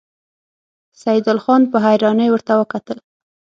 سيدال خان په حيرانۍ ورته وکتل.